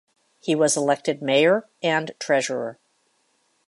He was elected mayor and treasurer.